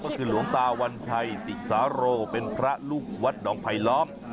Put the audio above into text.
ก็คือหลวงตาวัญชัยติสาโรเป็นพระลูกวัดหนองไผลล้อม